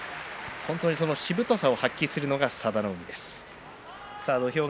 本当にしぶとさを発揮するのが佐田の海です。